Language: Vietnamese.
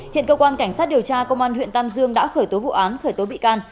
hiện cơ quan cảnh sát điều tra công an huyện tam dương đã khởi tố vụ án khởi tố bị can